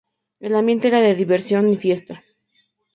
El ambiente era de diversión y fiesta.